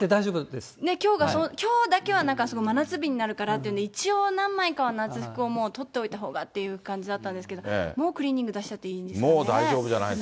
きょうだけはなんか、真夏日になるからっていうから、一応、何枚かは夏服を取っておいたほうがっていう感じだったんですけど、もうクリーニング出しちゃっていいんですかね。